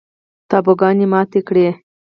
تابوگانې ماتې کړي